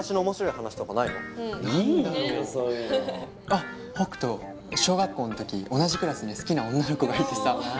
あっ北斗小学校のとき同じクラスに好きな女の子がいてさ。